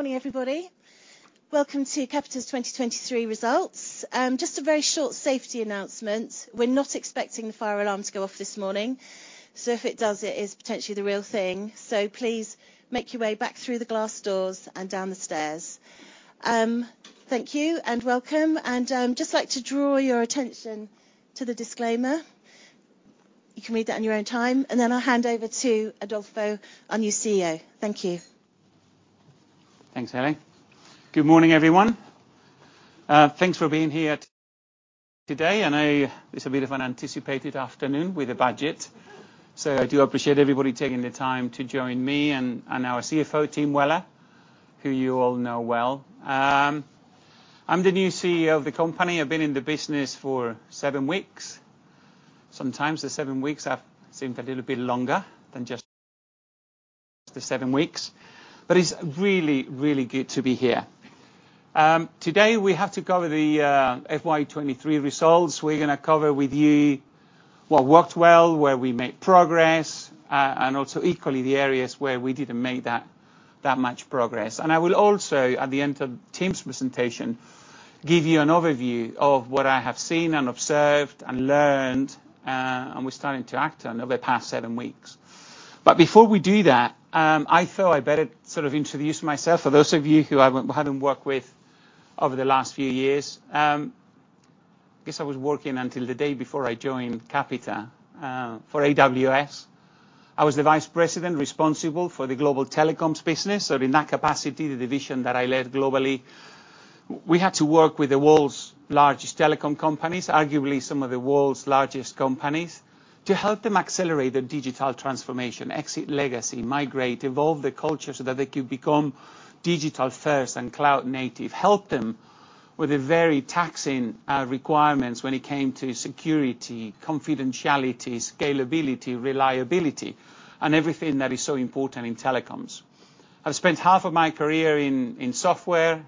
Morning, everybody. Welcome to Capita's 2023 results. Just a very short safety announcement: we're not expecting the fire alarm to go off this morning, so if it does, it is potentially the real thing. So please make your way back through the glass doors and down the stairs. Thank you and welcome, and I'd just like to draw your attention to the disclaimer. You can read that in your own time, and then I'll hand over to Adolfo, our new CEO. Thank you. Thanks, Helen. Good morning, everyone. Thanks for being here today. I know this will be a bit of an anticipated afternoon with a budget, so I do appreciate everybody taking the time to join me and our CFO, Tim Weller, who you all know well. I'm the new CEO of the company. I've been in the business for seven weeks. Sometimes the seven weeks seem a little bit longer than just the seven weeks, but it's really, really good to be here. Today we have to cover the FY23 results. We're going to cover with you what worked well, where we made progress, and also equally the areas where we didn't make that much progress. And I will also, at the end of Tim's presentation, give you an overview of what I have seen and observed and learned, and we're starting to act on over the past seven weeks. But before we do that, I thought I'd better sort of introduce myself for those of you who I haven't worked with over the last few years. I guess I was working until the day before I joined Capita for AWS. I was the vice president responsible for the global telecoms business, so in that capacity, the division that I led globally, we had to work with the world's largest telecom companies, arguably some of the world's largest companies, to help them accelerate their digital transformation, exit legacy, migrate, evolve the culture so that they could become digital-first and cloud-native, help them with the very taxing requirements when it came to security, confidentiality, scalability, reliability, and everything that is so important in telecoms. I've spent half of my career in software,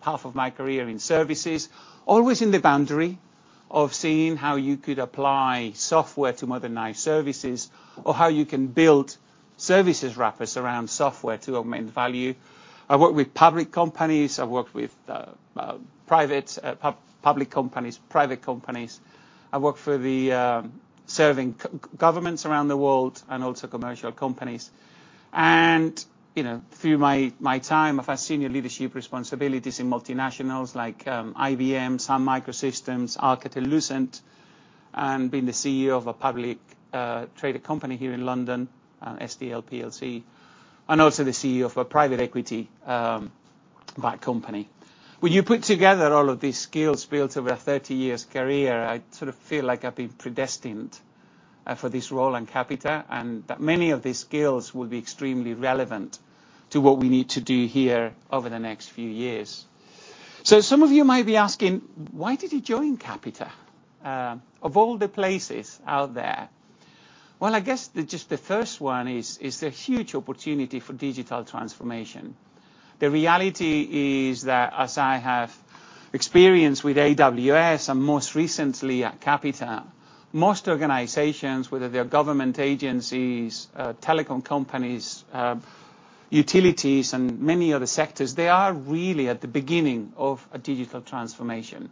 half of my career in services, always in the boundary of seeing how you could apply software to modernized services or how you can build services wrappers around software to augment value. I've worked with public companies. I've worked with private companies, private companies. I've worked for serving governments around the world and also commercial companies. Through my time, I've had senior leadership responsibilities in multinationals like IBM, Sun Microsystems, Alcatel-Lucent, and been the CEO of a publicly traded company here in London, SDL PLC, and also the CEO of a private equity backed company. When you put together all of these skills built over a 30-year career, I sort of feel like I've been predestined for this role in Capita and that many of these skills will be extremely relevant to what we need to do here over the next few years. So some of you might be asking, "Why did you join Capita?" Of all the places out there, well, I guess just the first one is there's a huge opportunity for digital transformation. The reality is that, as I have Experience with AWS and most recently at Capita, most organizations, whether they're government agencies, telecom companies, utilities, and many other sectors, they are really at the beginning of a digital transformation.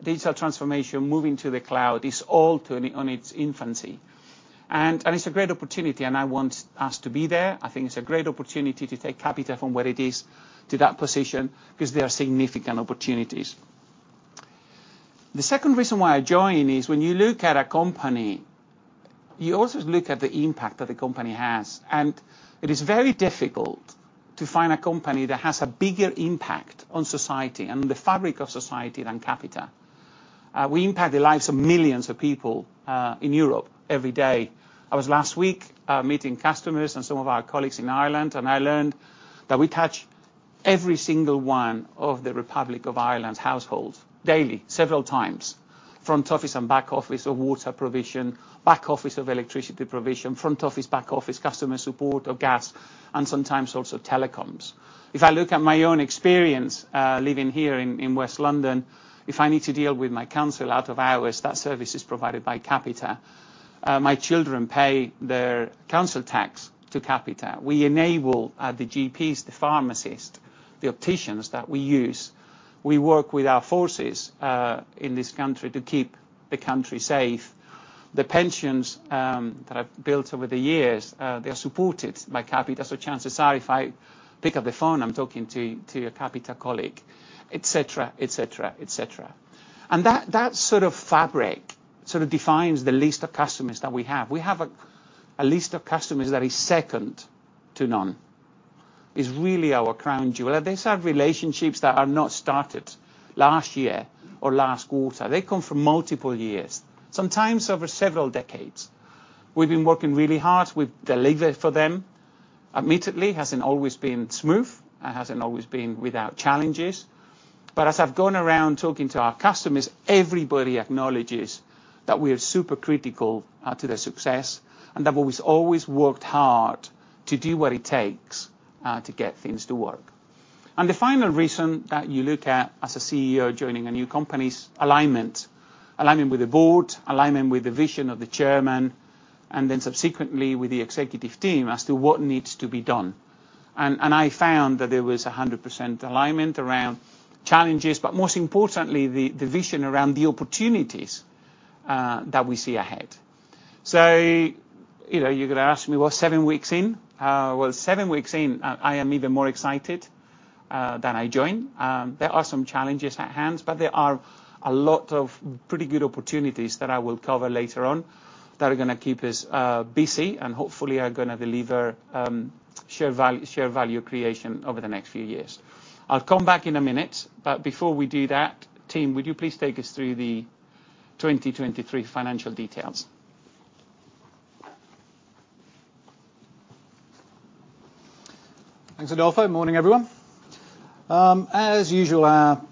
Digital transformation, moving to the cloud, is all in its infancy. It's a great opportunity, and I want us to be there. I think it's a great opportunity to take Capita from where it is to that position because there are significant opportunities. The second reason why I joined is when you look at a company, you also look at the impact that the company has. It is very difficult to find a company that has a bigger impact on society and the fabric of society than Capita. We impact the lives of millions of people in Europe every day. I was last week meeting customers and some of our colleagues in Ireland, and I learned that we touch every single one of the Republic of Ireland's households daily, several times, front office and back office, or water provision, back office of electricity provision, front office, back office, customer support, or gas, and sometimes also telecoms. If I look at my own experience living here in West London, if I need to deal with my council out of hours, that service is provided by Capita. My children pay their council tax to Capita. We enable the GPs, the pharmacists, the opticians that we use. We work with our forces in this country to keep the country safe. The pensions that I've built over the years, they are supported by Capita. So chances are if I pick up the phone, I'm talking to a Capita colleague, etc., etc., etc. And that sort of fabric sort of defines the list of customers that we have. We have a list of customers that is second to none. It's really our crown jewel. And these are relationships that are not started last year or last quarter. They come from multiple years, sometimes over several decades. We've been working really hard. We've delivered for them. Admittedly, it hasn't always been smooth. It hasn't always been without challenges. But as I've gone around talking to our customers, everybody acknowledges that we are super critical to their success and that we've always worked hard to do what it takes to get things to work. The final reason that you look at as a CEO joining a new company is alignment, alignment with the board, alignment with the vision of the chairman, and then subsequently with the executive team as to what needs to be done. I found that there was 100% alignment around challenges, but most importantly, the vision around the opportunities that we see ahead. So you're going to ask me, "Well, seven weeks in?" Well, seven weeks in, I am even more excited than I joined. There are some challenges at hand, but there are a lot of pretty good opportunities that I will cover later on that are going to keep us busy and hopefully are going to deliver share value creation over the next few years. I'll come back in a minute, but before we do that, Tim, would you please take us through the 2023 financial details? Thanks, Adolfo. Good morning, everyone. As usual, our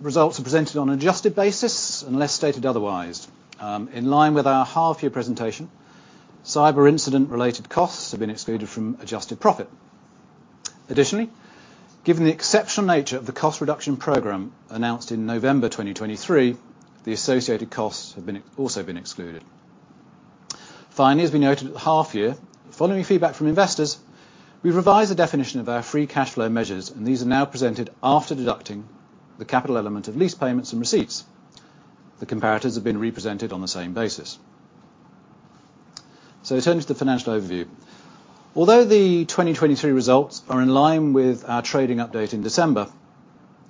results are presented on an adjusted basis unless stated otherwise. In line with our half-year presentation, cyber incident-related costs have been excluded from adjusted profit. Additionally, given the exceptional nature of the cost reduction program announced in November 2023, the associated costs have also been excluded. Finally, as we noted at the half-year, following feedback from investors, we've revised the definition of our free cash flow measures, and these are now presented after deducting the capital element of lease payments and receipts. The comparators have been represented on the same basis. So turning to the financial overview. Although the 2023 results are in line with our trading update in December,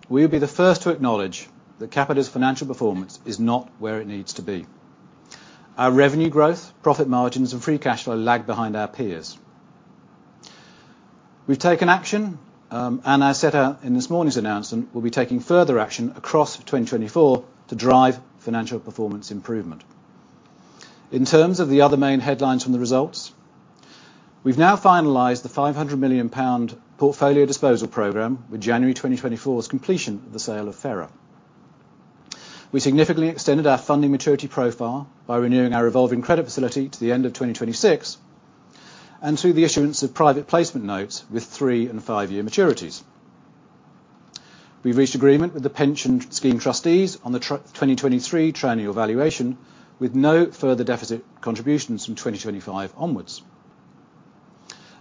we will be the first to acknowledge that Capita's financial performance is not where it needs to be. Our revenue growth, profit margins, and free cash flow lag behind our peers. We've taken action, and as set out in this morning's announcement, we'll be taking further action across 2024 to drive financial performance improvement. In terms of the other main headlines from the results, we've now finalised the 500 million pound portfolio disposal program with January 2024's completion of the sale of Fera. We significantly extended our funding maturity profile by renewing our revolving credit facility to the end of 2026 and through the issuance of private placement notes with three and five-year maturities. We've reached agreement with the pension scheme trustees on the 2023 triennial valuation with no further deficit contributions from 2025 onwards.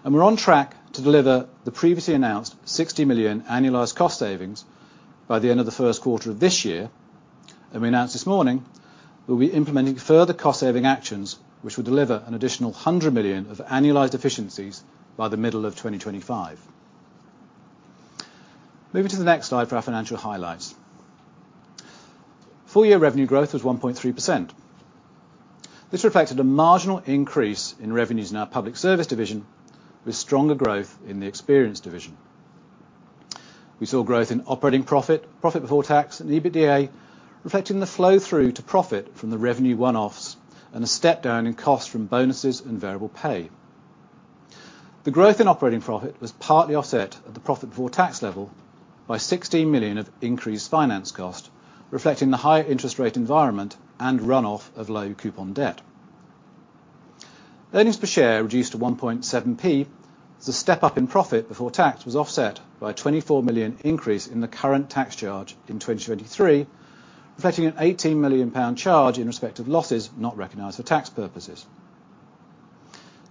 We're on track to deliver the previously announced 60 million annualised cost savings by the end of the first quarter of this year. We announced this morning that we'll be implementing further cost-saving actions which will deliver an additional 100 million of annualised efficiencies by the middle of 2025. Moving to the next slide for our financial highlights. Four-year revenue growth was 1.3%. This reflected a marginal increase in revenues in our public service division with stronger growth in the experience division. We saw growth in operating profit, profit before tax, and EBITDA reflecting the flow-through to profit from the revenue one-offs and a step down in costs from bonuses and variable pay. The growth in operating profit was partly offset at the profit before tax level by 16 million of increased finance cost reflecting the higher interest rate environment and run-off of low coupon debt. Earnings per share reduced to 1.7p as the step up in profit before tax was offset by a £24 million increase in the current tax charge in 2023 reflecting an £18 million charge in respect of losses not recognised for tax purposes.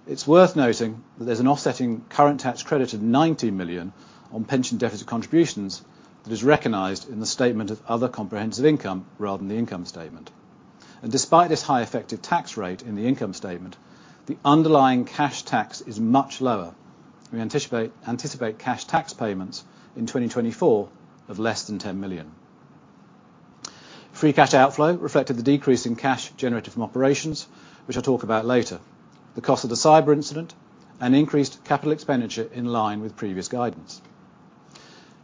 It's worth noting that there's an offsetting current tax credit of £90 million on pension deficit contributions that is recognised in the statement of other comprehensive income rather than the income statement. Despite this high effective tax rate in the income statement, the underlying cash tax is much lower. We anticipate cash tax payments in 2024 of less than £10 million. Free cash outflow reflected the decrease in cash generated from operations, which I'll talk about later, the cost of the cyber incident, and increased capital expenditure in line with previous guidance.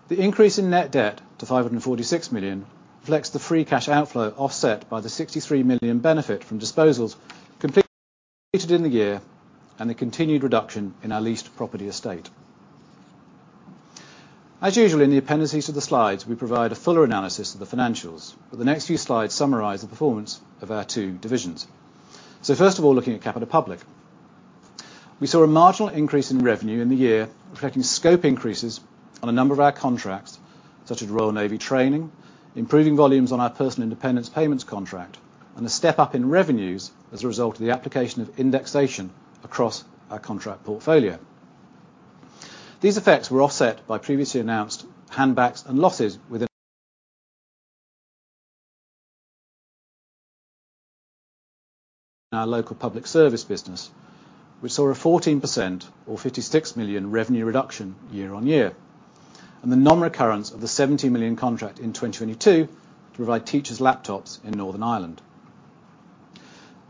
The increase in net debt to 546 million reflects the free cash outflow offset by the 63 million benefit from disposals completed in the year and the continued reduction in our leased property estate. As usual, in the appendices to the slides, we provide a fuller analysis of the financials, but the next few slides summarize the performance of our two divisions. First of all, looking at Capita Public. We saw a marginal increase in revenue in the year reflecting scope increases on a number of our contracts such as Royal Navy training, improving volumes on our Personal Independence Payments contract, and a step up in revenues as a result of the application of indexation across our contract portfolio. These effects were offset by previously announced handbacks and losses within our Local Public Service business, which saw a 14% or 56 million revenue reduction year-over-year, and the non-recurrence of the 70 million contract in 2022 to provide teachers' laptops in Northern Ireland.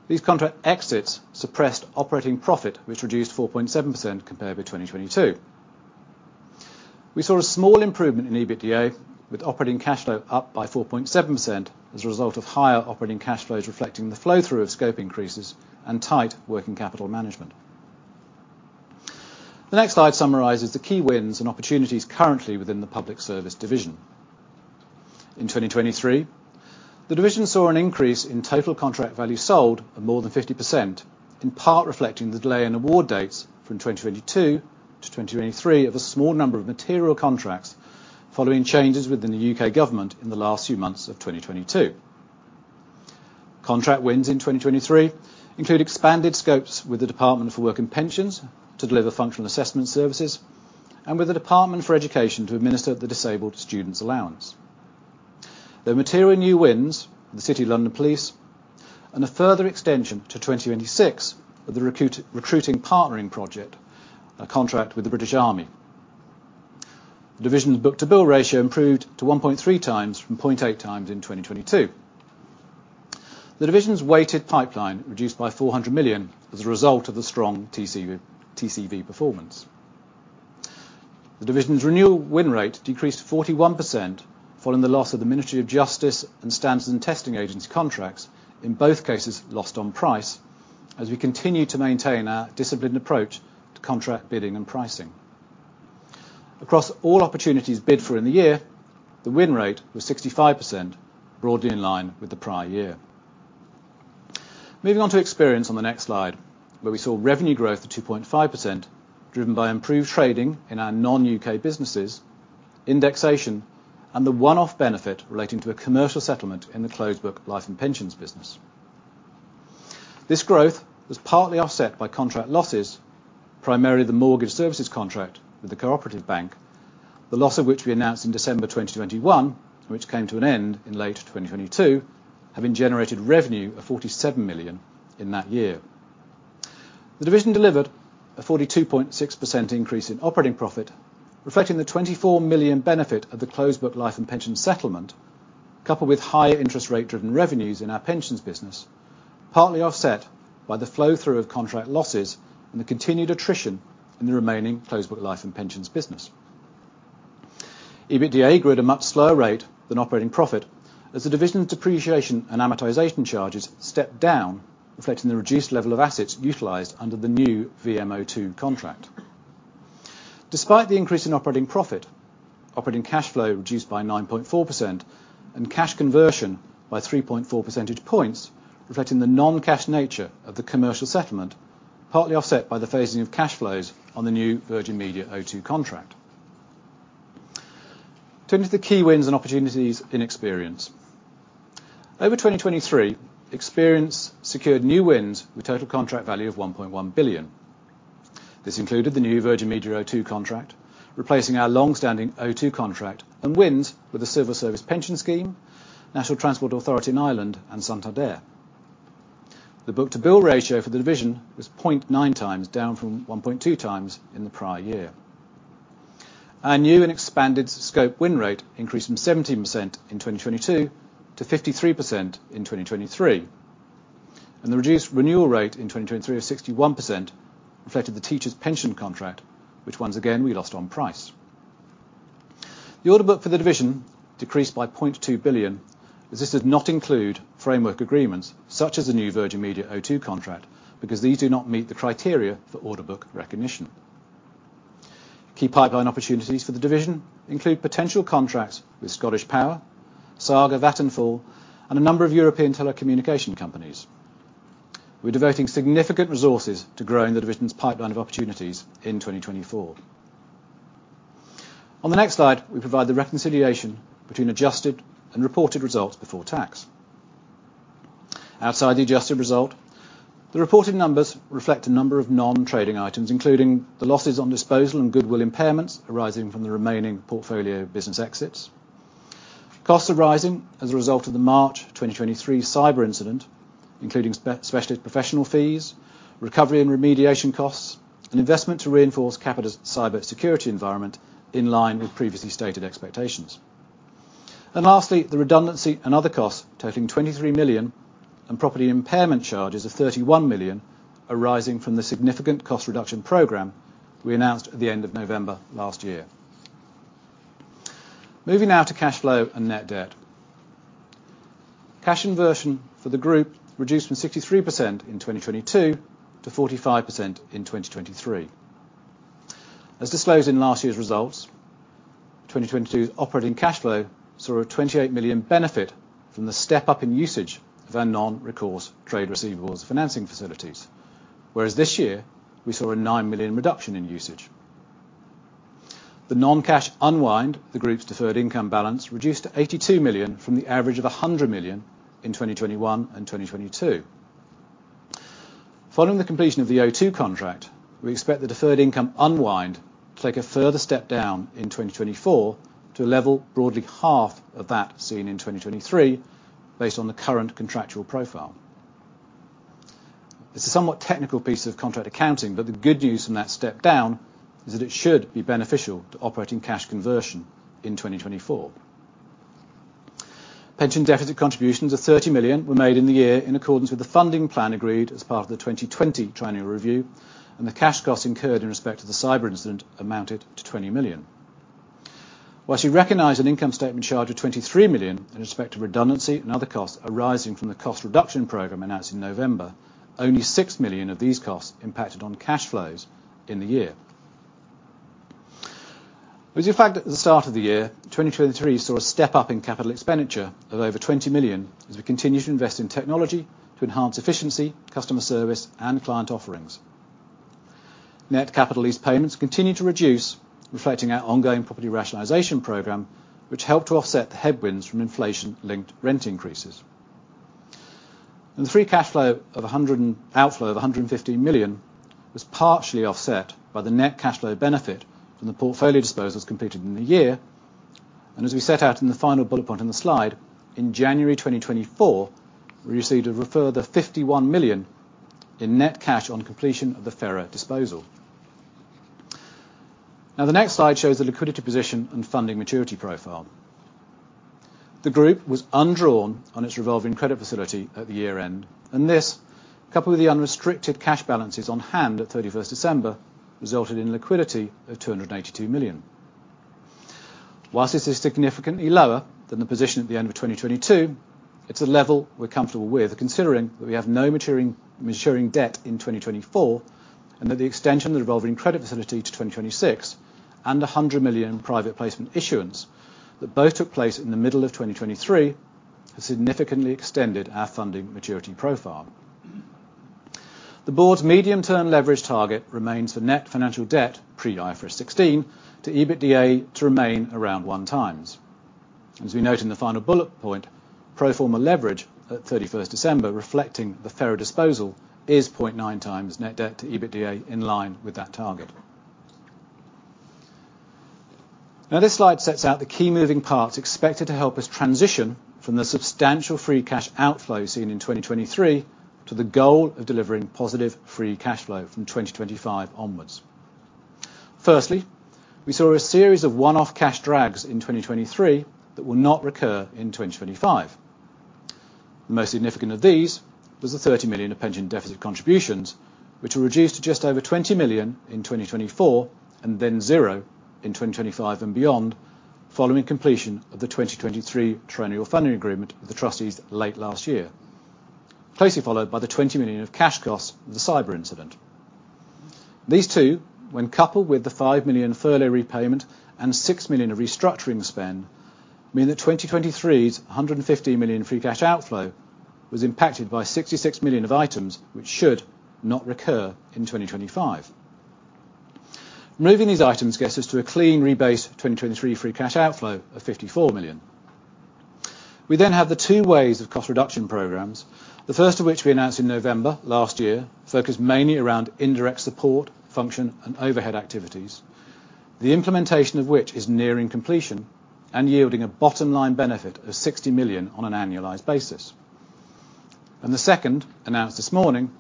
These contract exits suppressed operating profit, which reduced 4.7% compared with 2022. We saw a small improvement in EBITDA with operating cash flow up by 4.7% as a result of higher operating cash flows reflecting the flow-through of scope increases and tight working capital management. The next slide summarizes the key wins and opportunities currently within the public service division. In 2023, the division saw an increase in total contract value sold of more than 50%, in part reflecting the delay in award dates from 2022 to 2023 of a small number of material contracts following changes within the UK government in the last few months of 2022. Contract wins in 2023 include expanded scopes with the Department for Work and Pensions to deliver Functional Assessment Services and with the Department for Education to administer the Disabled Students' Allowance. There are material new wins with the City of London Police and a further extension to 2026 with the Recruiting Partnering Project, a contract with the British Army. The division's book-to-bill ratio improved to 1.3 times from 0.8 times in 2022. The division's weighted pipeline reduced by 400 million as a result of the strong TCV performance. The division's renewal win rate decreased 41% following the loss of the Ministry of Justice and Standards and Testing Agency contracts, in both cases lost on price, as we continue to maintain our disciplined approach to contract bidding and pricing. Across all opportunities bid for in the year, the win rate was 65%, broadly in line with the prior year. Moving on to experience on the next slide, where we saw revenue growth of 2.5% driven by improved trading in our non-UK businesses, indexation, and the one-off benefit relating to a commercial settlement in the Closed Book Life and Pensions business. This growth was partly offset by contract losses, primarily the mortgage services contract with the Co-operative Bank, the loss of which we announced in December 2021 and which came to an end in late 2022, having generated revenue of 47 million in that year. The division delivered a 42.6% increase in operating profit, reflecting the 24 million benefit of the Closed Book Life and Pensions settlement, coupled with higher interest rate-driven revenues in our pensions business, partly offset by the flow-through of contract losses and the continued attrition in the remaining Closed Book Life and Pensions business. EBITDA grew at a much slower rate than operating profit as the division's depreciation and amortization charges stepped down, reflecting the reduced level of assets utilized under the new VMO2 contract. Despite the increase in operating profit, operating cash flow reduced by 9.4%, and cash conversion by 3.4 percentage points, reflecting the non-cash nature of the commercial settlement, partly offset by the phasing of cash flows on the new Virgin Media O2 contract. Turning to the key wins and opportunities in Experience. Over 2023, Experience secured new wins with total contract value of 1.1 billion. This included the new Virgin Media O2 contract, replacing our longstanding O2 contract, and wins with the Civil Service Pension Scheme, National Transport Authority in Ireland, and Santander. The book-to-bill ratio for the division was 0.9 times down from 1.2 times in the prior year. Our new and expanded scope win rate increased from 70% in 2022 to 53% in 2023, and the reduced renewal rate in 2023 of 61% reflected the Teachers' Pension contract, which once again we lost on price. The order book for the division decreased by 0.2 billion as this does not include framework agreements such as the new Virgin Media O2 contract because these do not meet the criteria for order book recognition. Key pipeline opportunities for the division include potential contracts with ScottishPower, Saga, Vattenfall, and a number of European telecommunication companies. We're devoting significant resources to growing the division's pipeline of opportunities in 2024. On the next slide, we provide the reconciliation between adjusted and reported results before tax. Outside the adjusted result, the reported numbers reflect a number of non-trading items, including the losses on disposal and goodwill impairments arising from the remaining portfolio business exits, costs arising as a result of the March 2023 cyber incident, including specialist professional fees, recovery and remediation costs, and investment to reinforce Capita's cybersecurity environment in line with previously stated expectations. And lastly, the redundancy and other costs totaling 23 million and property impairment charges of 31 million arising from the significant cost reduction program we announced at the end of November last year. Moving now to cash flow and net debt. Cash conversion for the group reduced from 63% in 2022 to 45% in 2023. As disclosed in last year's results, 2022's operating cash flow saw a 28 million benefit from the step up in usage of our non-recourse trade receivables financing facilities, whereas this year we saw a 9 million reduction in usage. The non-cash unwind, the group's deferred income balance reduced to 82 million from the average of 100 million in 2021 and 2022. Following the completion of the O2 contract, we expect the deferred income unwind to take a further step down in 2024 to a level broadly half of that seen in 2023 based on the current contractual profile. It's a somewhat technical piece of contract accounting, but the good news from that step down is that it should be beneficial to operating cash conversion in 2024. Pension deficit contributions of 30 million were made in the year in accordance with the funding plan agreed as part of the 2020 triennial review, and the cash costs incurred in respect of the cyber incident amounted to 20 million. While she recognized an income statement charge of 23 million in respect of redundancy and other costs arising from the cost reduction program announced in November, only 6 million of these costs impacted on cash flows in the year. With the fact that at the start of the year, 2023 saw a step up in capital expenditure of over 20 million as we continue to invest in technology to enhance efficiency, customer service, and client offerings. Net capital lease payments continue to reduce, reflecting our ongoing property rationalization program, which helped to offset the headwinds from inflation-linked rent increases. The free cash flow of 115 million was partially offset by the net cash flow benefit from the portfolio disposals completed in the year. As we set out in the final bullet point on the slide, in January 2024, we received a further 51 million in net cash on completion of the Fera disposal. Now, the next slide shows the liquidity position and funding maturity profile. The group was undrawn on its revolving credit facility at the year-end, and this, coupled with the unrestricted cash balances on hand at 31st December, resulted in liquidity of 282 million. While this is significantly lower than the position at the end of 2022, it's a level we're comfortable with considering that we have no maturing debt in 2024 and that the extension of the revolving credit facility to 2026 and 100 million private placement issuance that both took place in the middle of 2023 have significantly extended our funding maturity profile. The board's medium-term leverage target remains for net financial debt pre-IFRS 16 to EBITDA to remain around 1 times. And as we note in the final bullet point, pro forma leverage at 31st December reflecting the Fera disposal is 0.9 times net debt to EBITDA in line with that target. Now, this slide sets out the key moving parts expected to help us transition from the substantial free cash outflow seen in 2023 to the goal of delivering positive free cash flow from 2025 onwards. Firstly, we saw a series of one-off cash drags in 2023 that will not recur in 2025. The most significant of these was the 30 million of pension deficit contributions, which were reduced to just over 20 million in 2024 and then zero in 2025 and beyond following completion of the 2023 triennial funding agreement with the trustees late last year, closely followed by the 20 million of cash costs of the cyber incident. These two, when coupled with the 5 million furlough repayment and 6 million of restructuring spend, mean that 2023's 115 million free cash outflow was impacted by 66 million of items which should not recur in 2025. Removing these items gets us to a clean rebase 2023 free cash outflow of 54 million. We then have the two waves of cost reduction programs, the first of which we announced in November last year focused mainly around indirect support, function, and overhead activities, the implementation of which is nearing completion and yielding a bottom-line benefit of 60 million on an annualized basis. The second, announced this morning,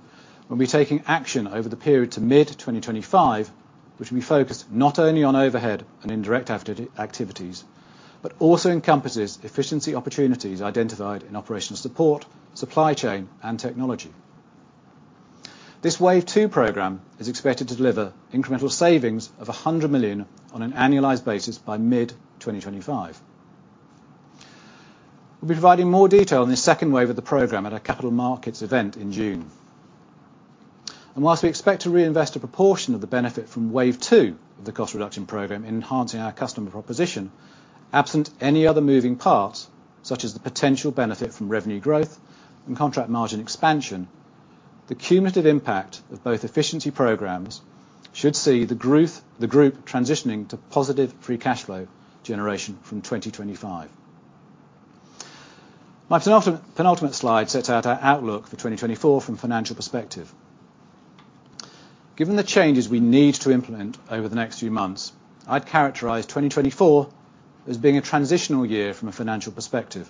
will be taking action over the period to mid-2025, which will be focused not only on overhead and indirect activities but also encompasses efficiency opportunities identified in operational support, supply chain, and technology. This wave two program is expected to deliver incremental savings of 100 million on an annualized basis by mid-2025. We'll be providing more detail on this second wave of the program at our Capital Markets event in June. While we expect to reinvest a proportion of the benefit from wave two of the cost reduction program in enhancing our customer proposition, absent any other moving parts such as the potential benefit from revenue growth and contract margin expansion, the cumulative impact of both efficiency programs should see the group transitioning to positive free cash flow generation from 2025. My penultimate slide sets out our outlook for 2024 from a financial perspective. Given the changes we need to implement over the next few months, I'd characterize 2024 as being a transitional year from a financial perspective,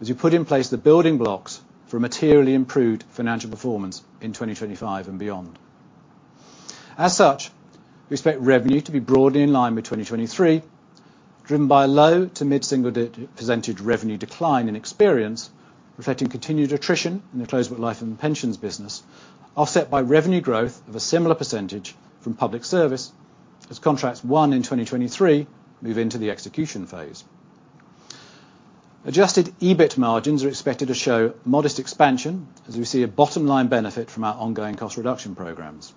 as we put in place the building blocks for materially improved financial performance in 2025 and beyond. As such, we expect revenue to be broadly in line with 2023, driven by a low to mid-single % revenue decline in experience, reflecting continued attrition in the Closed Book Life and Pensions business, offset by revenue growth of a similar % from public service, as contracts won in 2023 move into the execution phase. Adjusted EBIT margins are expected to show modest expansion as we see a bottom-line benefit from our ongoing cost reduction programs.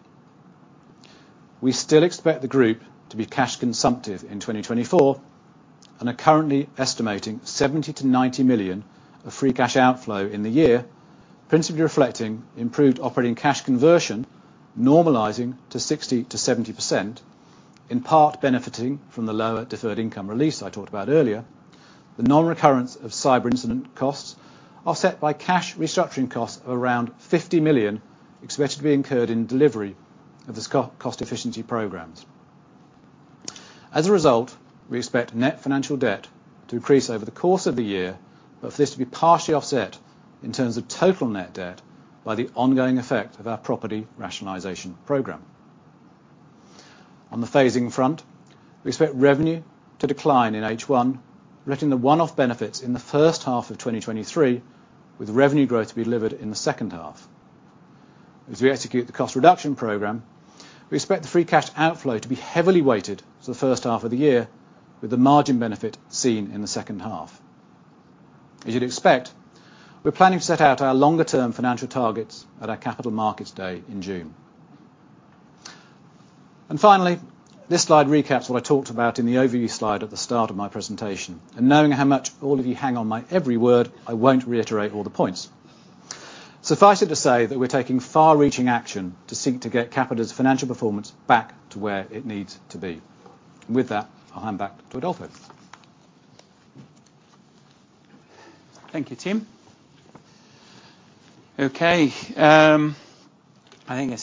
We still expect the group to be cash consumptive in 2024 and are currently estimating 70 million-90 million of free cash outflow in the year, principally reflecting improved operating cash conversion normalizing to 60%-70%, in part benefiting from the lower deferred income release I talked about earlier, the non-recurrence of cyber incident costs offset by cash restructuring costs of around 50 million expected to be incurred in delivery of these cost efficiency programs. As a result, we expect net financial debt to increase over the course of the year, but for this to be partially offset in terms of total net debt by the ongoing effect of our property rationalization program. On the phasing front, we expect revenue to decline in H1, reflecting the one-off benefits in the first half of 2023, with revenue growth to be delivered in the second half. As we execute the cost reduction program, we expect the free cash outflow to be heavily weighted to the first half of the year, with the margin benefit seen in the second half. As you'd expect, we're planning to set out our longer-term financial targets at our Capital Markets Day in June. And finally, this slide recaps what I talked about in the overview slide at the start of my presentation. And knowing how much all of you hang on my every word, I won't reiterate all the points. Suffice it to say that we're taking far-reaching action to seek to get Capita's financial performance back to where it needs to be. And with that, I'll hand back to Adolfo. Thank you, Tim. Okay. I think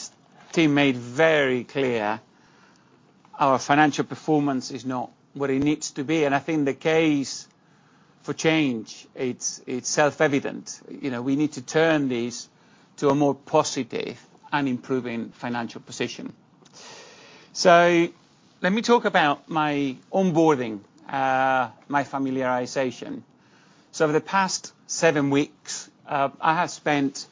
Tim made very clear our financial performance is not what it needs to be, and I think the case for change is self-evident. We need to turn this to a more positive and improving financial position. So let me talk about my onboarding, my familiarization. So over the past seven weeks, I have spent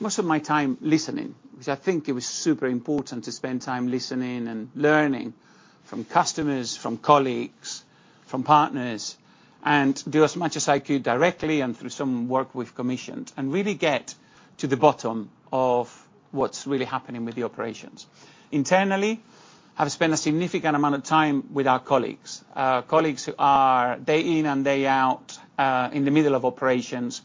most of my time listening, which I think it was super important to spend time listening and learning from customers, from colleagues, from partners, and do as much as I could directly and through some work with commissions, and really get to the bottom of what's really happening with the operations. Internally, I've spent a significant amount of time with our colleagues, colleagues who are day in and day out in the middle of operations.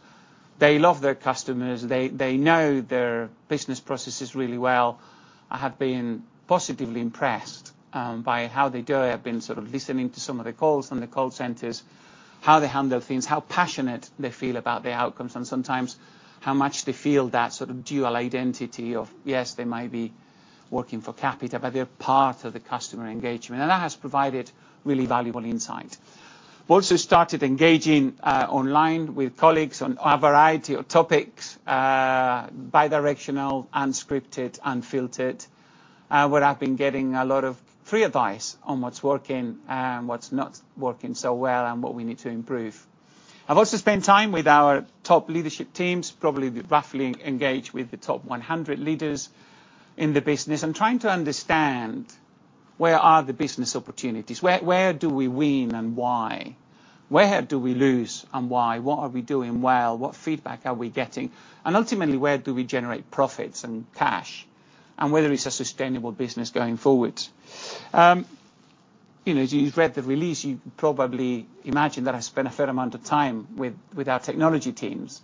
They love their customers. They know their business processes really well. I have been positively impressed by how they do it. I've been sort of listening to some of the calls from the call centers, how they handle things, how passionate they feel about their outcomes, and sometimes how much they feel that sort of dual identity of, yes, they might be working for Capita, but they're part of the customer engagement. That has provided really valuable insight. We've also started engaging online with colleagues on a variety of topics, bidirectional, unscripted, unfiltered, where I've been getting a lot of free advice on what's working and what's not working so well and what we need to improve. I've also spent time with our top leadership teams, probably roughly engaged with the top 100 leaders in the business, and trying to understand where are the business opportunities? Where do we win and why? Where do we lose and why? What are we doing well? What feedback are we getting? Ultimately, where do we generate profits and cash, and whether it's a sustainable business going forward? As you've read the release, you probably imagine that I spent a fair amount of time with our technology teams,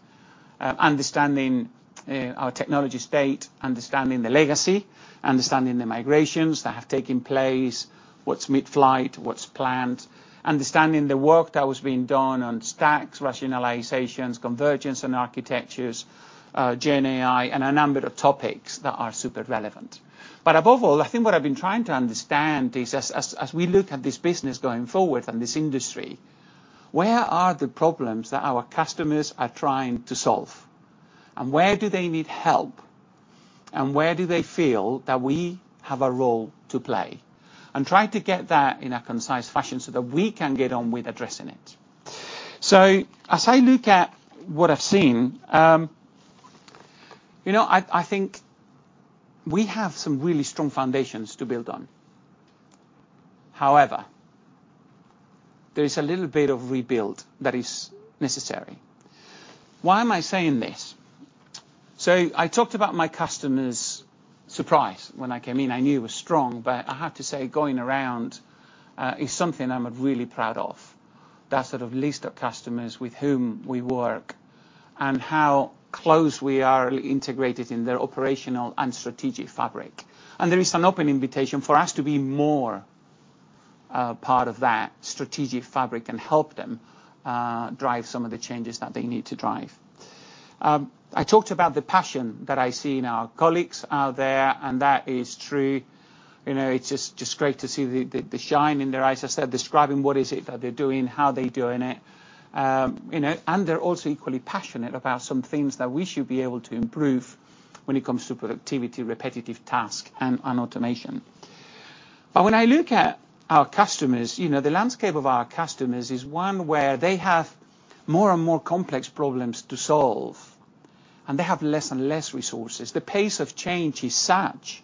understanding our technology state, understanding the legacy, understanding the migrations that have taken place, what's mid-flight, what's planned, understanding the work that was being done on stacks, rationalizations, convergence, and architectures, GenAI, and a number of topics that are super relevant. Above all, I think what I've been trying to understand is, as we look at this business going forward and this industry, where are the problems that our customers are trying to solve? And where do they need help? And where do they feel that we have a role to play? And try to get that in a concise fashion so that we can get on with addressing it. So as I look at what I've seen, I think we have some really strong foundations to build on. However, there is a little bit of rebuild that is necessary. Why am I saying this? So I talked about my customers' surprise when I came in. I knew it was strong, but I have to say, going around is something I'm really proud of, that sort of list of customers with whom we work and how close we are integrated in their operational and strategic fabric. And there is an open invitation for us to be more part of that strategic fabric and help them drive some of the changes that they need to drive. I talked about the passion that I see in our colleagues out there, and that is true. It's just great to see the shine in their eyes, as I said, describing what it is that they're doing, how they're doing it. And they're also equally passionate about some things that we should be able to improve when it comes to productivity, repetitive task, and automation. But when I look at our customers, the landscape of our customers is one where they have more and more complex problems to solve, and they have less and less resources. The pace of change is such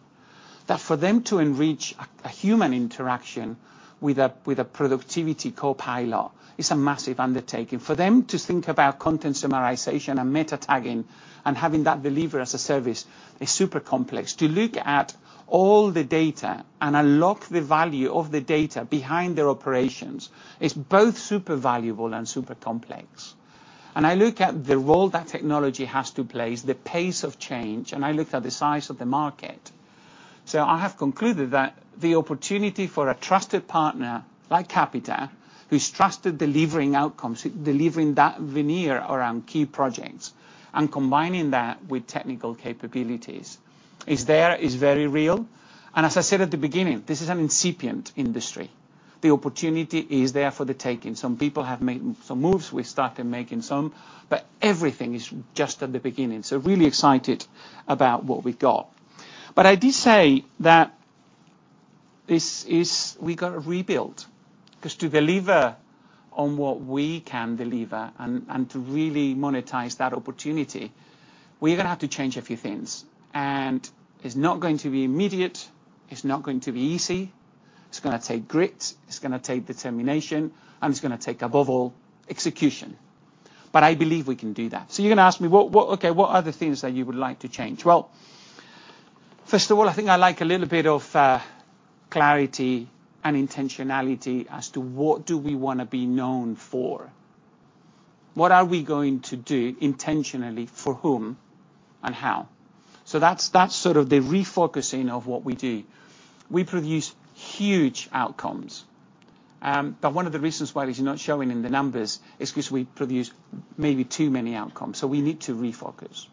that for them to enrich a human interaction with a productivity co-pilot is a massive undertaking. For them to think about content summarization and meta-tagging and having that delivered as a service is super complex. To look at all the data and unlock the value of the data behind their operations is both super valuable and super complex. I look at the role that technology has to play, the pace of change, and I look at the size of the market. I have concluded that the opportunity for a trusted partner like Capita, who's trusted delivering outcomes, delivering that veneer around key projects, and combining that with technical capabilities is there, is very real. As I said at the beginning, this is an incipient industry. The opportunity is there for the taking. Some people have made some moves. We've started making some, but everything is just at the beginning. Really excited about what we've got. I did say that we've got to rebuild because to deliver on what we can deliver and to really monetize that opportunity, we're going to have to change a few things. It's not going to be immediate. It's not going to be easy. It's going to take grit. It's going to take determination. It's going to take, above all, execution. But I believe we can do that. You're going to ask me, "Okay. What are the things that you would like to change?" Well, first of all, I think I like a little bit of clarity and intentionality as to what do we want to be known for? What are we going to do intentionally for whom and how? So that's sort of the refocusing of what we do. We produce huge outcomes. But one of the reasons why this is not showing in the numbers is because we produce maybe too many outcomes. So we need to refocus.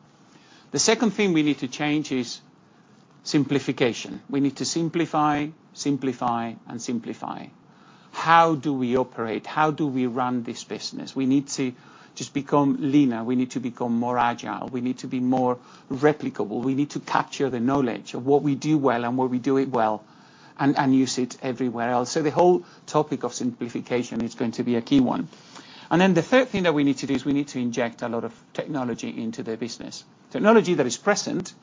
The second thing we need to change is simplification. We need to simplify, simplify, and simplify. How do we operate? How do we run this business? We need to just become leaner. We need to become more agile. We need to be more replicable. We need to capture the knowledge of what we do well and where we do it well and use it everywhere else. The whole topic of simplification is going to be a key one. Then the third thing that we need to do is we need to inject a lot of technology into the business, technology that is present,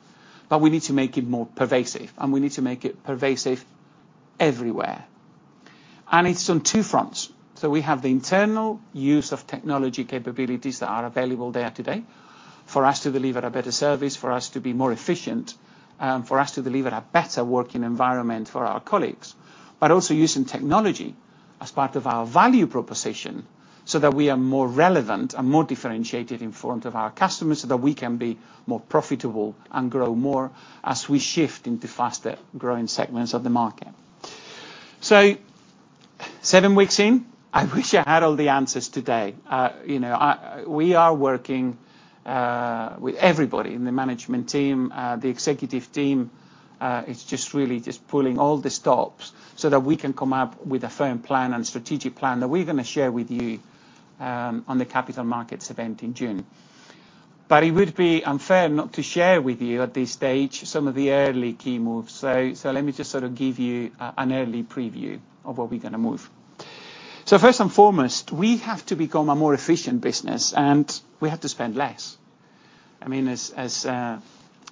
but we need to make it more pervasive. We need to make it pervasive everywhere. It's on two fronts. So we have the internal use of technology capabilities that are available there today for us to deliver a better service, for us to be more efficient, for us to deliver a better working environment for our colleagues, but also using technology as part of our value proposition so that we are more relevant and more differentiated in front of our customers so that we can be more profitable and grow more as we shift into faster-growing segments of the market. So seven weeks in, I wish I had all the answers today. We are working with everybody in the management team, the executive team. It's just really just pulling all the stops so that we can come up with a firm plan and strategic plan that we're going to share with you on the Capital Markets event in June. But it would be unfair not to share with you at this stage some of the early key moves. So let me just sort of give you an early preview of what we're going to move. So first and foremost, we have to become a more efficient business, and we have to spend less. I mean, as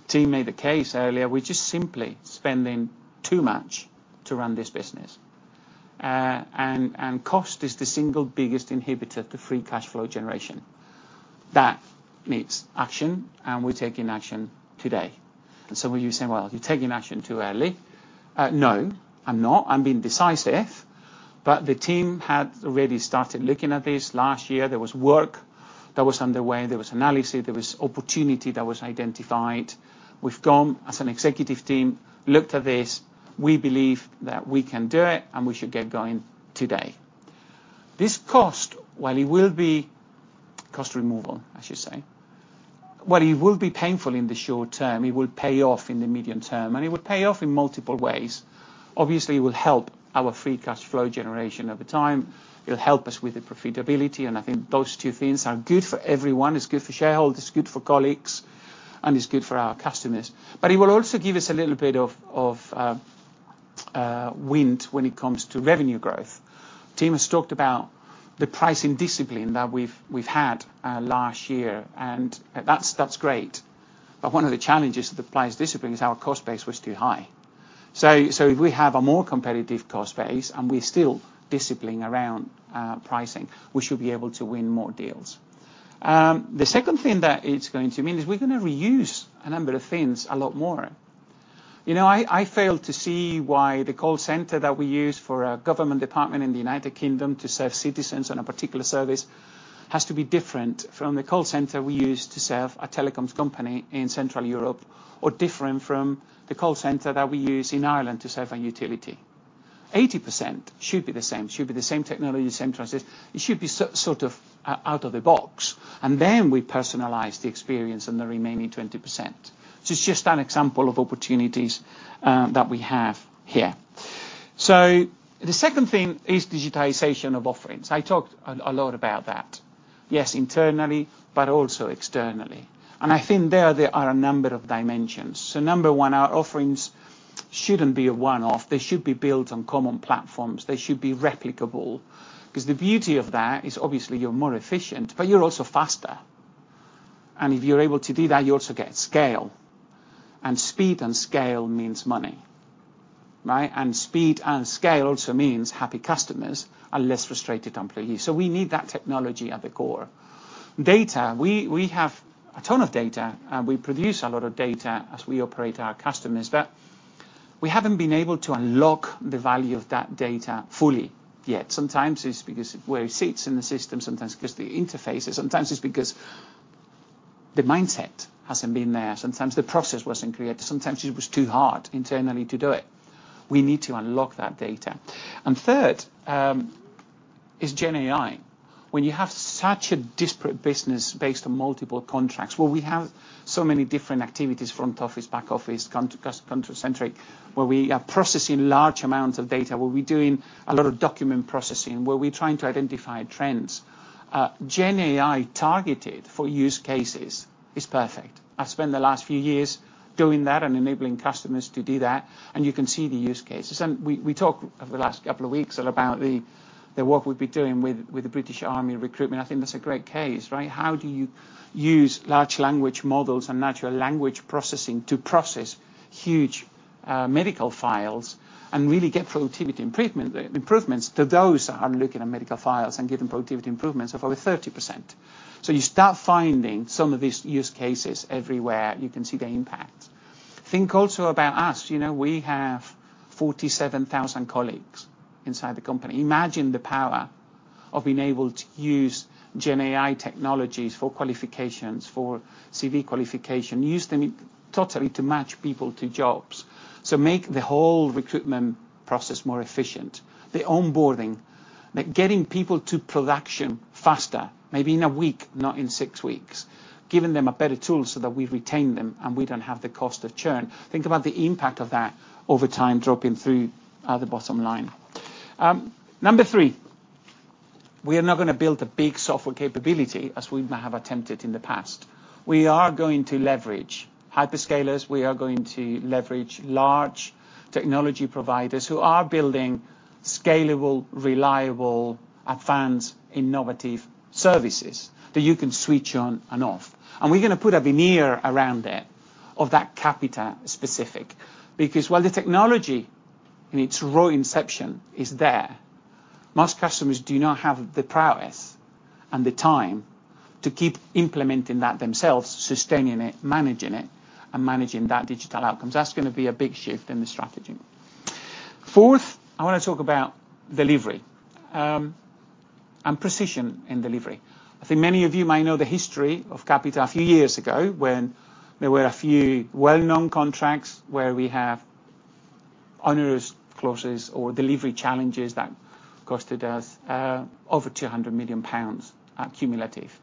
Tim made the case earlier, we're just simply spending too much to run this business. And cost is the single biggest inhibitor to free cash flow generation. That needs action, and we're taking action today. And some of you say, "Well, you're taking action too early." No, I'm not. I'm being decisive. But the team had already started looking at this last year. There was work that was underway. There was analysis. There was opportunity that was identified. We've gone as an executive team, looked at this. We believe that we can do it, and we should get going today. This cost, while it will be cost removal, I should say, while it will be painful in the short term, it will pay off in the medium term. And it will pay off in multiple ways. Obviously, it will help our Free Cash Flow generation over time. It'll help us with the profitability. And I think those two things are good for everyone. It's good for shareholders. It's good for colleagues. And it's good for our customers. But it will also give us a little bit of wind when it comes to revenue growth. Tim has talked about the pricing discipline that we've had last year. And that's great. But one of the challenges of the price discipline is our cost base was too high. So if we have a more competitive cost base and we're still disciplining around pricing, we should be able to win more deals. The second thing that it's going to mean is we're going to reuse a number of things a lot more. I failed to see why the call centre that we use for a government department in the United Kingdom to serve citizens on a particular service has to be different from the call centre we use to serve a telecoms company in Central Europe or different from the call centre that we use in Ireland to serve a utility. 80% should be the same. It should be the same technology centre as this. It should be sort of out of the box. And then we personalise the experience and the remaining 20%. So it's just an example of opportunities that we have here. So the second thing is digitization of offerings. I talked a lot about that, yes, internally, but also externally. And I think there are a number of dimensions. So number one, our offerings shouldn't be a one-off. They should be built on common platforms. They should be replicable because the beauty of that is, obviously, you're more efficient, but you're also faster. And if you're able to do that, you also get scale. And speed and scale means money, right? And speed and scale also means happy customers and less frustrated employees. So we need that technology at the core. Data, we have a ton of data. We produce a lot of data as we operate our customers. But we haven't been able to unlock the value of that data fully yet. Sometimes it's because of where it sits in the system. Sometimes it's because of the interfaces. Sometimes it's because the mindset hasn't been there. Sometimes the process wasn't created. Sometimes it was too hard internally to do it. We need to unlock that data. And third is GenAI. When you have such a disparate business based on multiple contracts, where we have so many different activities front office, back office, counter-centric, where we are processing large amounts of data, where we're doing a lot of document processing, where we're trying to identify trends, GenAI targeted for use cases is perfect. I've spent the last few years doing that and enabling customers to do that. And you can see the use cases. And we talked over the last couple of weeks about the work we've been doing with the British Army recruitment. I think that's a great case, right? How do you use large language models and natural language processing to process huge medical files and really get productivity improvements to those that aren't looking at medical files and getting productivity improvements of over 30%? So you start finding some of these use cases everywhere. You can see the impact. Think also about us. We have 47,000 colleagues inside the company. Imagine the power of being able to use GenAI technologies for qualifications, for CV qualification, use them totally to match people to jobs. So make the whole recruitment process more efficient, the onboarding, getting people to production faster, maybe in a week, not in six weeks, giving them a better tool so that we retain them and we don't have the cost of churn. Think about the impact of that over time dropping through the bottom line. Number three, we are not going to build a big software capability as we may have attempted in the past. We are going to leverage hyperscalers. We are going to leverage large technology providers who are building scalable, reliable, advanced, innovative services that you can switch on and off. And we're going to put a veneer around it of that Capita specific because, while the technology in its raw inception is there, most customers do not have the prowess and the time to keep implementing that themselves, sustaining it, managing it, and managing that digital outcomes. That's going to be a big shift in the strategy. Fourth, I want to talk about delivery and precision in delivery. I think many of you might know the history of Capita a few years ago when there were a few well-known contracts where we have onerous clauses or delivery challenges that cost us over 200 million pounds cumulative.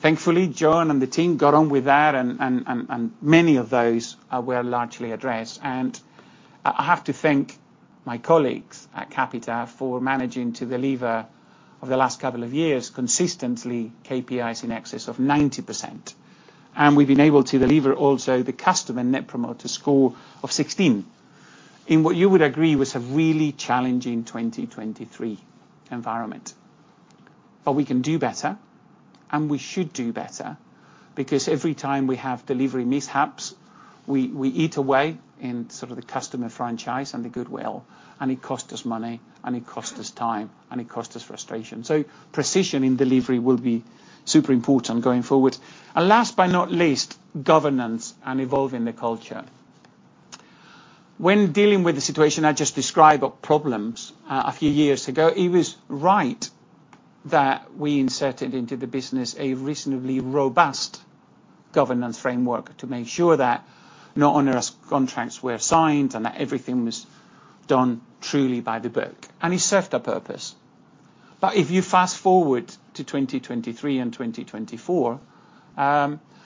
Thankfully, John and the team got on with that, and many of those were largely addressed. I have to thank my colleagues at Capita for managing to deliver over the last couple of years consistently KPIs in excess of 90%. And we've been able to deliver also the customer Net Promoter Score of 16 in what you would agree was a really challenging 2023 environment. But we can do better, and we should do better because every time we have delivery mishaps, we eat away in sort of the customer franchise and the goodwill. And it costs us money. And it costs us time. And it costs us frustration. So precision in delivery will be super important going forward. And last but not least, governance and evolving the culture. When dealing with the situation I just described or problems a few years ago, it was right that we inserted into the business a reasonably robust governance framework to make sure that no onerous contracts were signed and that everything was done truly by the book. And it served a purpose. But if you fast-forward to 2023 and 2024,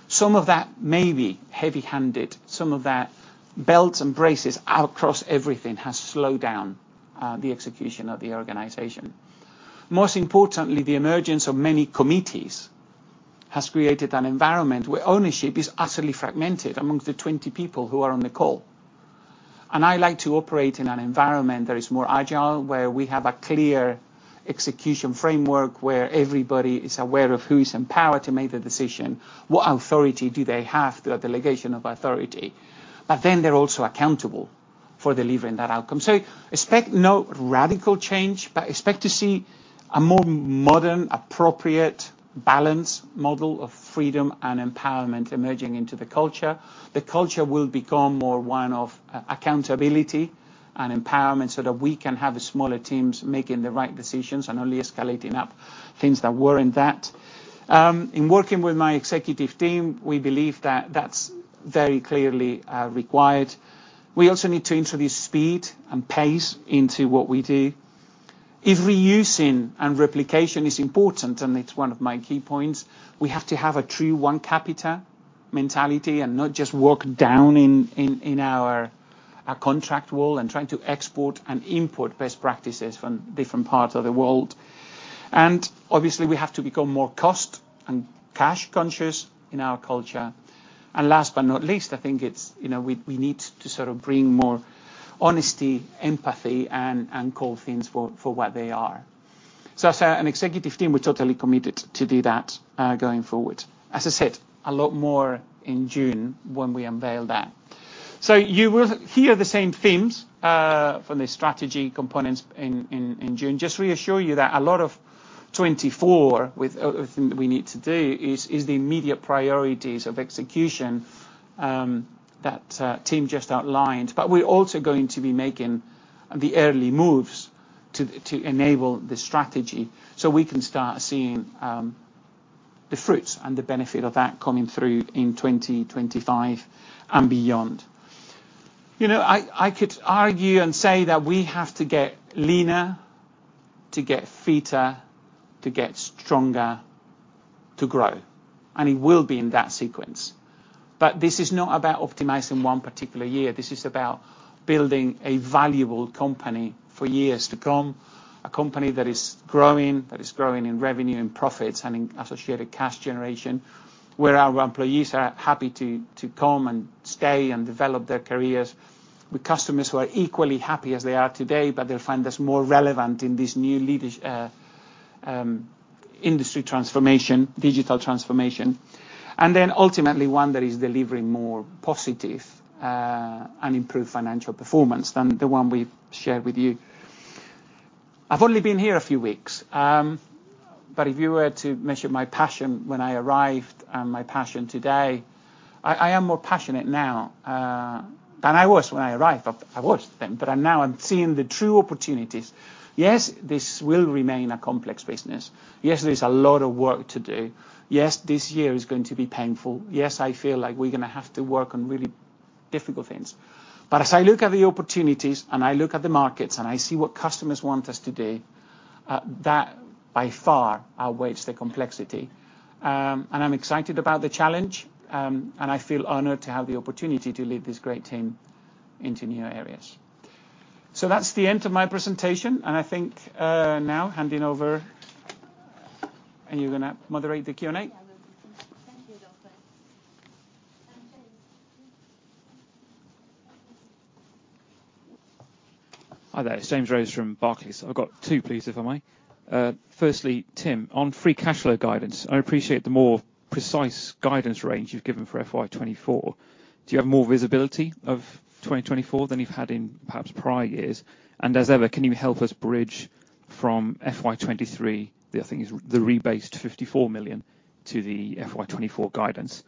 some of that maybe heavy-handed, some of that belts and braces across everything has slowed down the execution of the organization. Most importantly, the emergence of many committees has created an environment where ownership is utterly fragmented among the 20 people who are on the call. I like to operate in an environment that is more agile, where we have a clear execution framework, where everybody is aware of who is empowered to make the decision, what authority do they have, the delegation of authority. But then they're also accountable for delivering that outcome. Expect no radical change, but expect to see a more modern, appropriate, balanced model of freedom and empowerment emerging into the culture. The culture will become more one of accountability and empowerment so that we can have smaller teams making the right decisions and only escalating up things that weren't that. In working with my executive team, we believe that that's very clearly required. We also need to introduce speed and pace into what we do. If reusing and replication is important, and it's one of my key points, we have to have a true one Capita mentality and not just walk down in our contract wall and trying to export and import best practices from different parts of the world. Obviously, we have to become more cost and cash-conscious in our culture. Last but not least, I think we need to sort of bring more honesty, empathy, and call things for what they are. As an executive team, we're totally committed to do that going forward. As I said, a lot more in June when we unveil that. You will hear the same themes from the strategy components in June. Just to reassure you that a lot of 2024 with everything that we need to do is the immediate priorities of execution that Tim just outlined. But we're also going to be making the early moves to enable the strategy so we can start seeing the fruits and the benefit of that coming through in 2025 and beyond. I could argue and say that we have to get leaner, to get fitter, to get stronger, to grow. It will be in that sequence. But this is not about optimizing one particular year. This is about building a valuable company for years to come, a company that is growing, that is growing in revenue and profits and in associated cash generation, where our employees are happy to come and stay and develop their careers, with customers who are equally happy as they are today, but they'll find us more relevant in this new industry transformation, digital transformation, and then ultimately one that is delivering more positive and improved financial performance than the one we've shared with you. I've only been here a few weeks. But if you were to measure my passion when I arrived and my passion today, I am more passionate now than I was when I arrived. I was then. But now I'm seeing the true opportunities. Yes, this will remain a complex business. Yes, there's a lot of work to do. Yes, this year is going to be painful. Yes, I feel like we're going to have to work on really difficult things. But as I look at the opportunities and I look at the markets and I see what customers want us to do, that by far outweighs the complexity. And I'm excited about the challenge. And I feel honored to have the opportunity to lead this great team into new areas. So that's the end of my presentation. And I think now, handing over, and you're going to moderate the Q&A. Hi there. James Rose from Barclays. I've got two, please, if I may. Firstly, Tim, on free cashflow guidance, I appreciate the more precise guidance range you've given for FY24. Do you have more visibility of 2024 than you've had in perhaps prior years? And as ever, can you help us bridge from FY23, I think it's the rebase to £54 million, to the FY24 guidance?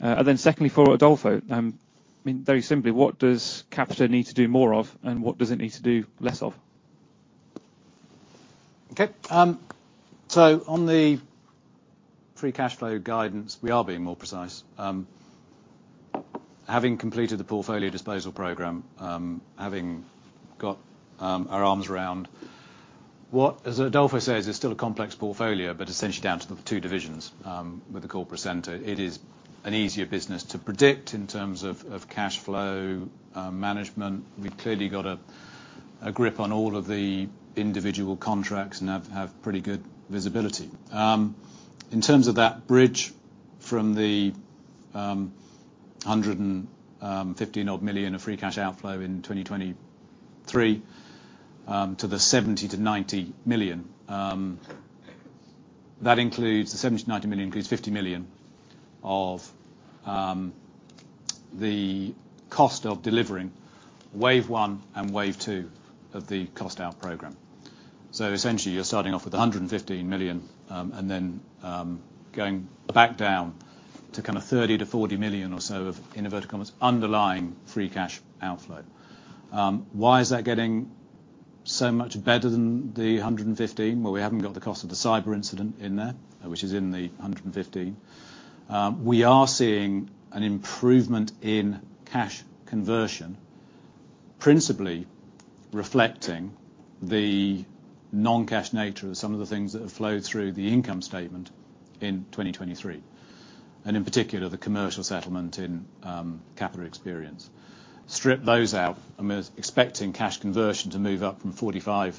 And then secondly for Adolfo, I mean, very simply, what does Capita need to do more of, and what does it need to do less of? Okay. So on the free cash flow guidance, we are being more precise. Having completed the portfolio disposal program, having got our arms around what, as Adolfo says, is still a complex portfolio, but essentially down to the two divisions with the corporate center, it is an easier business to predict in terms of cash flow management. We've clearly got a grip on all of the individual contracts and have pretty good visibility. In terms of that bridge from the 115-odd million of free cash outflow in 2023 to the 70 million-90 million, that includes the 70 to 90 million includes 50 million of the cost of delivering wave one and wave two of the cost out program. So essentially, you're starting off with 115 million and then going back down to kind of 30 million-40 million or so of, in inverted commas, underlying free cash outflow. Why is that getting so much better than the 115? Well, we haven't got the cost of the cyber incident in there, which is in the 115. We are seeing an improvement in cash conversion, principally reflecting the non-cash nature of some of the things that have flowed through the income statement in 2023, and in particular, the commercial settlement in Capita Experience. Strip those out. I'm expecting cash conversion to move up from 45%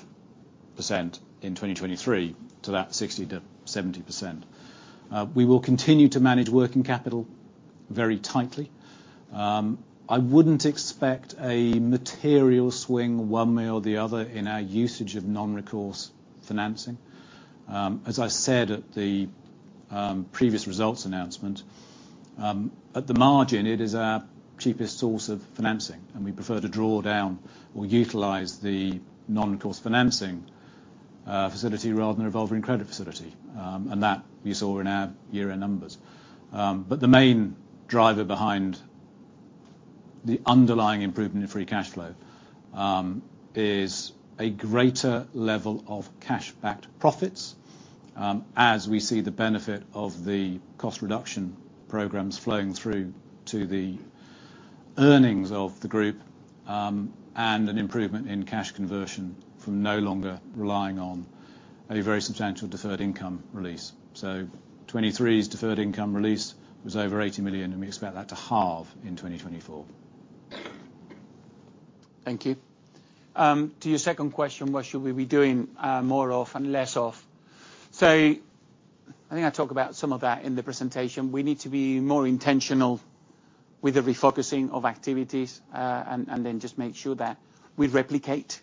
in 2023 to that 60%-70%. We will continue to manage working capital very tightly. I wouldn't expect a material swing one way or the other in our usage of non-recourse financing. As I said at the previous results announcement, at the margin, it is our cheapest source of financing. We prefer to draw down or utilize the non-recourse financing facility rather than a revolving credit facility. That you saw in our year-end numbers. But the main driver behind the underlying improvement in free cash flow is a greater level of cash-backed profits as we see the benefit of the cost reduction programs flowing through to the earnings of the group and an improvement in cash conversion from no longer relying on a very substantial deferred income release. So 2023's deferred income release was over 80 million, and we expect that to halve in 2024. Thank you. To your second question, what should we be doing more of and less of? So I think I talked about some of that in the presentation. We need to be more intentional with the refocusing of activities and then just make sure that we replicate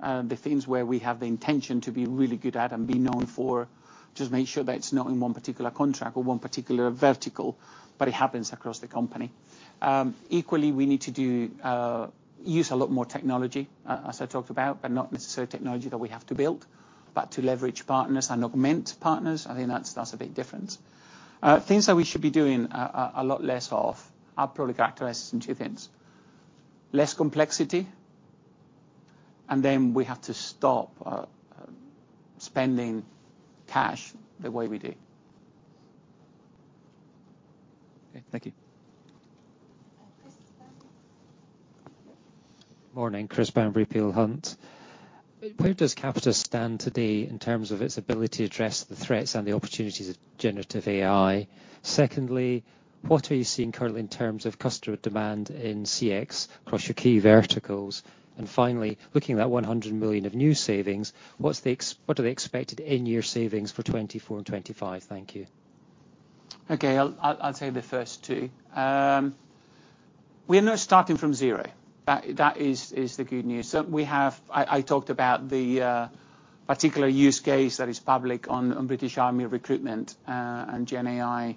the things where we have the intention to be really good at and be known for. Just make sure that it's not in one particular contract or one particular vertical, but it happens across the company. Equally, we need to use a lot more technology, as I talked about, but not necessarily technology that we have to build, but to leverage partners and augment partners. I think that's a big difference. Things that we should be doing a lot less of I'll probably characterize as two things. Less complexity. And then we have to stop spending cash the way we do. Okay. Thank you. Chris Bamberry. Morning. Chris Bamberry, Peel Hunt. Where does Capita stand today in terms of its ability to address the threats and the opportunities of generative AI? Secondly, what are you seeing currently in terms of customer demand in CX across your key verticals? And finally, looking at that 100 million of new savings, what are the expected end-year savings for 2024 and 2025? Thank you. Okay. I'll take the first two. We are not starting from zero. That is the good news. I talked about the particular use case that is public on British Army recruitment and GenAI.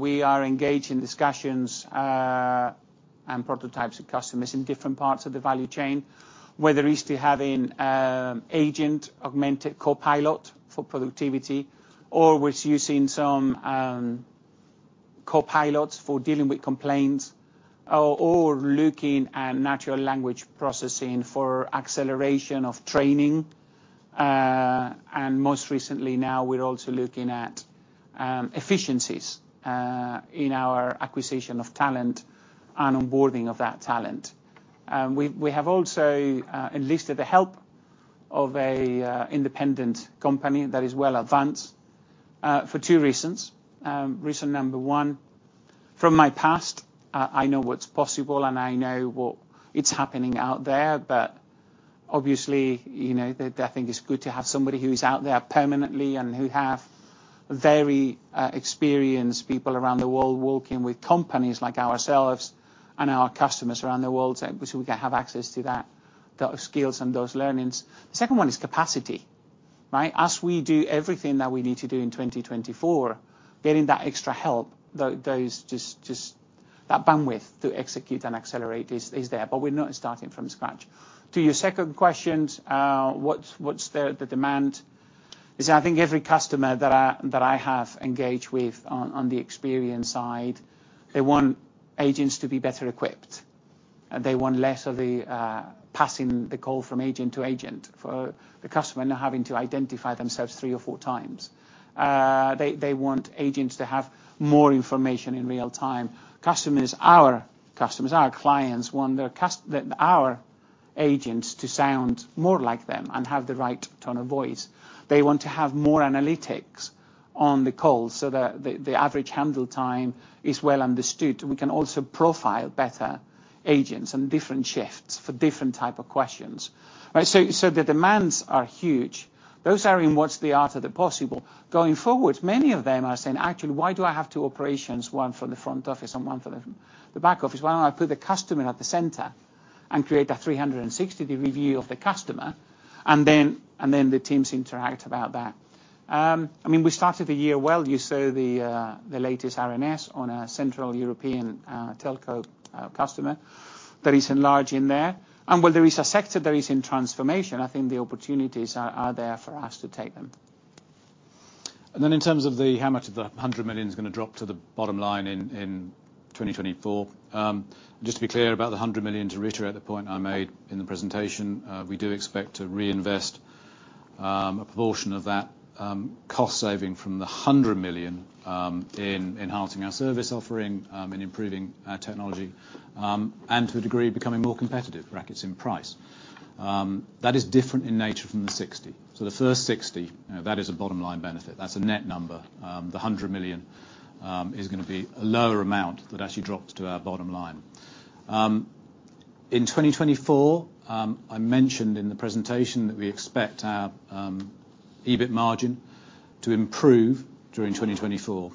We are engaged in discussions and prototypes with customers in different parts of the value chain, whether it's having agent augmented Copilot for productivity or we're using some Copilots for dealing with complaints or looking at natural language processing for acceleration of training. And most recently now, we're also looking at efficiencies in our acquisition of talent and onboarding of that talent. We have also enlisted the help of an independent company that is well advanced for two reasons. Reason number one, from my past, I know what's possible, and I know what is happening out there. But obviously, I think it's good to have somebody who is out there permanently and who have very experienced people around the world working with companies like ourselves and our customers around the world so we can have access to that skills and those learnings. The second one is capacity, right? As we do everything that we need to do in 2024, getting that extra help, that bandwidth to execute and accelerate is there. But we're not starting from scratch. To your second questions, what's the demand? I think every customer that I have engaged with on the experience side, they want agents to be better equipped. They want less of the passing the call from agent to agent for the customer not having to identify themselves three or four times. They want agents to have more information in real time. Our customers, our clients want our agents to sound more like them and have the right tone of voice. They want to have more analytics on the call so that the average handle time is well understood. We can also profile better agents and different shifts for different type of questions. So the demands are huge. Those are in what's the art of the possible. Going forward, many of them are saying, "Actually, why do I have two operations, one for the front office and one for the back office? Why don't I put the customer at the centre and create a 360-degree view of the customer, and then the teams interact about that?" I mean, we started the year well. You saw the latest RNS on a central European telco customer that is enlarging there. And while there is a sector that is in transformation, I think the opportunities are there for us to take them. And then in terms of how much of the 100 million is going to drop to the bottom line in 2024, just to be clear about the 100 million to reiterate the point I made in the presentation, we do expect to reinvest a proportion of that cost-saving from the 100 million in enhancing our service offering and improving our technology and to a degree becoming more competitive, brackets in price. That is different in nature from the 60 million. So the first £60 million, that is a bottom line benefit. That's a net number. The £100 million is going to be a lower amount that actually drops to our bottom line. In 2024, I mentioned in the presentation that we expect our EBIT margin to improve during 2024.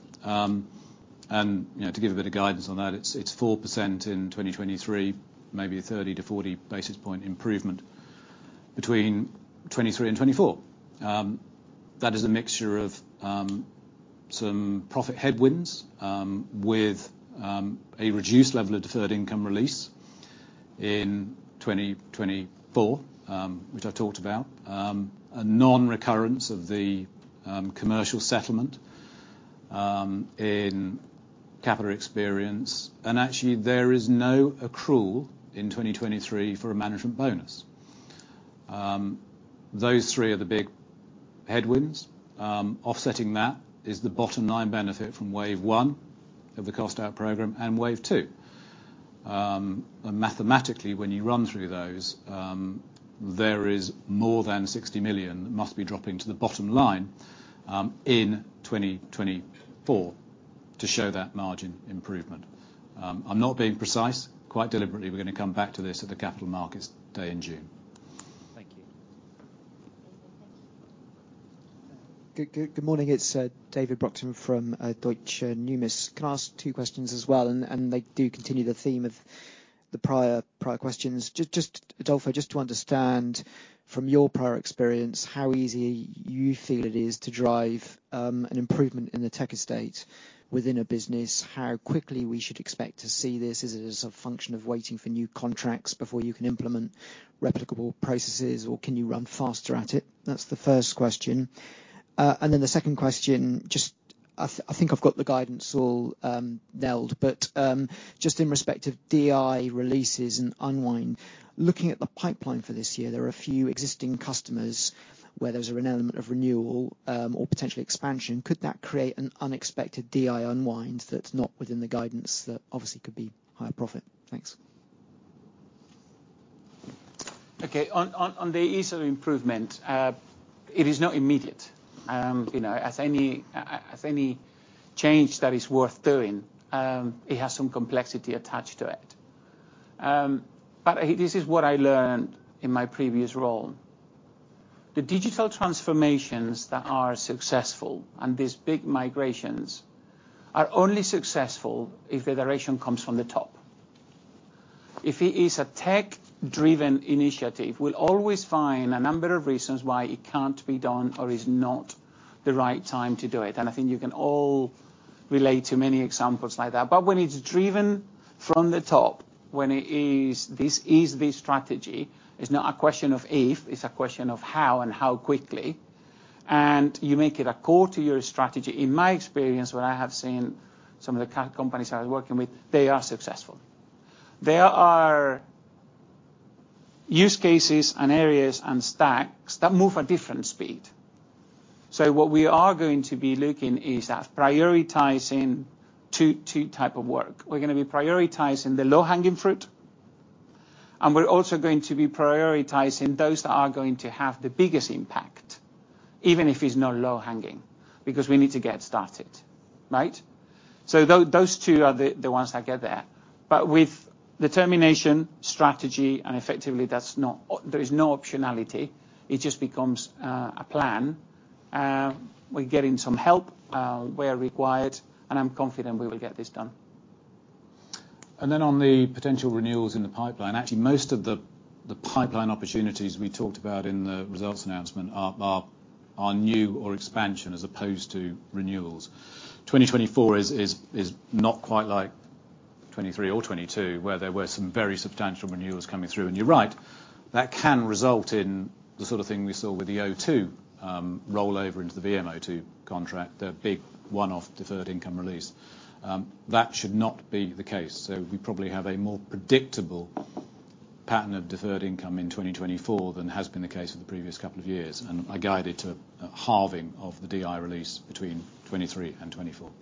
And to give a bit of guidance on that, it's 4% in 2023, maybe a 30-40 basis point improvement between 2023 and 2024. That is a mixture of some profit headwinds with a reduced level of deferred income release in 2024, which I've talked about, a non-recurrence of the commercial settlement in Capita experience, and actually, there is no accrual in 2023 for a management bonus. Those three are the big headwinds. Offsetting that is the bottom line benefit from wave one of the cost out program and wave two. Mathematically, when you run through those, there is more than £60 million that must be dropping to the bottom line in 2024 to show that margin improvement. I'm not being precise. Quite deliberately, we're going to come back to this at the capital markets day in June. Thank you. Thank you. Good morning. It's David Brockton from Deutsche Numis. Can I ask two questions as well? They do continue the theme of the prior questions. Adolfo, just to understand from your prior experience, how easy you feel it is to drive an improvement in the tech estate within a business, how quickly we should expect to see this? Is it a function of waiting for new contracts before you can implement replicable processes, or can you run faster at it? That's the first question. Then the second question, I think I've got the guidance all nailed. But just in respect of DI releases and unwind, looking at the pipeline for this year, there are a few existing customers where there's an element of renewal or potentially expansion. Could that create an unexpected DI unwind that's not within the guidance that obviously could be higher profit? Thanks. Okay. On the ease of improvement, it is not immediate. As any change that is worth doing, it has some complexity attached to it. But this is what I learned in my previous role. The digital transformations that are successful and these big migrations are only successful if the direction comes from the top. If it is a tech-driven initiative, we'll always find a number of reasons why it can't be done or is not the right time to do it. And I think you can all relate to many examples like that. But when it's driven from the top, when it is, "This is the strategy," it's not a question of if. It's a question of how and how quickly. And you make it a core to your strategy. In my experience, what I have seen some of the companies I was working with, they are successful. There are use cases and areas and stacks that move at different speed. So what we are going to be looking is at prioritising two types of work. We're going to be prioritising the low-hanging fruit. And we're also going to be prioritising those that are going to have the biggest impact, even if it's not low-hanging, because we need to get started, right? So those two are the ones that get there. But with determination, strategy, and effectively, there is no optionality. It just becomes a plan. We're getting some help where required, and I'm confident we will get this done. Then on the potential renewals in the pipeline, actually, most of the pipeline opportunities we talked about in the results announcement are new or expansion as opposed to renewals. 2024 is not quite like 2023 or 2022 where there were some very substantial renewals coming through. You're right. That can result in the sort of thing we saw with the O2 rollover into the VMO2 contract, the big one-off deferred income release. That should not be the case. We probably have a more predictable pattern of deferred income in 2024 than has been the case for the previous couple of years. I guide it to a halving of the DI release between 2023 and 2024.